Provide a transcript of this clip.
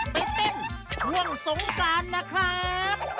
ไปเต้นช่วงสงกรานนะครับ